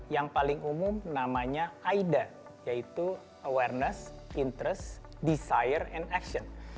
yang paling umum namanya aida yaitu awareness interest desire and action